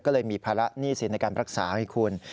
ก็เลยมีภาระหนี้สินในการรักษาให้คุณ